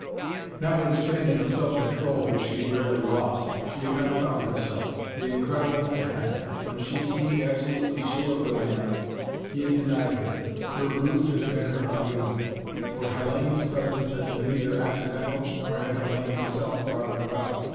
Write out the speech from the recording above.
Notwithstanding a self control which she rarely lost, she had not found herself. The incredible had happened. When she seemed absolutely sure of the man, he had denied her. Her ruse had been her undoing. For Hellayne's presence had been neither accidental, nor had Hellayne herself brought it about.